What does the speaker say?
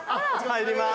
入ります。